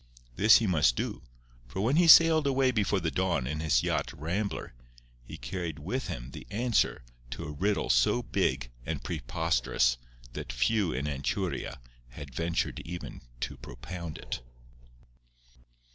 This he must do; for, when he sailed away before the dawn in his yacht Rambler, he carried with him the answer to a riddle so big and preposterous that few in Anchuria had ventured even to propound it.